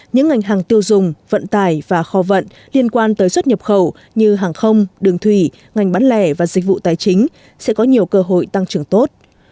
những ngành hàng tiêu dùng vận tải và kho vận liên quan tới xuất nhập khẩu như hàng không đường thủy ngành bán lẻ và dịch vụ tài chính sẽ có nhiều cơ hội tăng trưởng tốt